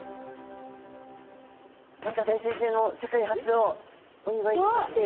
森田大先生の世界初をお祝いしまして。